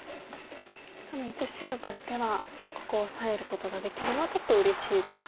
ただ一応白としてはここをオサえることができるのはちょっとうれしいですか。